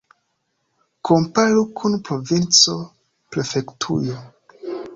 Komparu kun provinco, prefektujo.